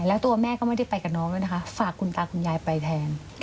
แล้วตัวแม่ก็ไม่ได้ไปกับน้องด้วยนะคะฝากคุณตาคุณยายไปแทน